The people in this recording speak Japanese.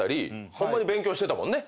ホンマに勉強してたもんね。